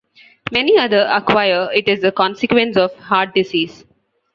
Many other acquire it as a consequence of heart disease.